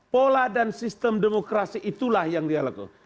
pola dan sistem demokrasi itulah yang dialakukan